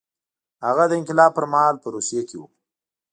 هغه د انقلاب پر مهال په روسیه کې و